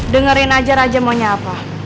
dengerin aja raja maunya apa